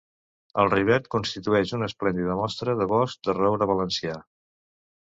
El Rivet constitueix una esplèndida mostra de bosc de roure valencià.